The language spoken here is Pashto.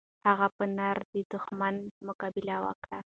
هغه په نره د دښمن مقابله وکړه.